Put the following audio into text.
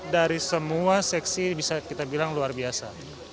dari semua seksi bisa kita bilang luar biasa